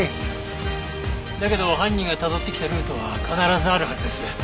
だけど犯人がたどってきたルートは必ずあるはずです。